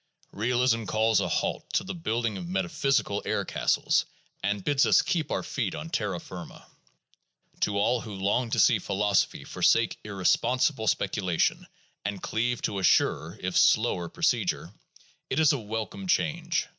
Realism calls a halt to the building of metaphysical air castles, and bids us keep our feet on terra firma. To all who long to see philosophy forsake irresponsible speculation and cleave to a surer if slower procedure, it is a welcome change.